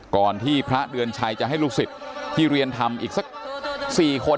ก่อนที่พระเดือนชัยจะให้ลูกศิษย์ที่เรียนทำอีกสัก๔คน